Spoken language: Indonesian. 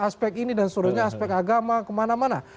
aspek ini dan seluruhnya aspek agama kemana mana